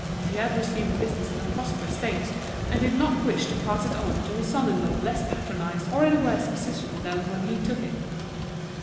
He had received the business in a prosperous state, and did not wish to pass it on to his son in law less patronised or in a worse position than when he took it.